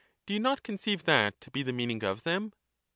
Do you not conceive that to be the meaning of them?